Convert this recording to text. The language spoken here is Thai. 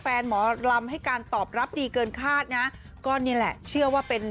หมอลำให้การตอบรับดีเกินคาดนะก็นี่แหละเชื่อว่าเป็น